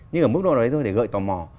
nhưng ở mức độ đấy thôi để gợi tò mò